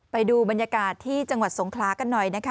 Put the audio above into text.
ไปดูบรรยากาศที่จังหวัดสงขลากันหน่อยนะคะ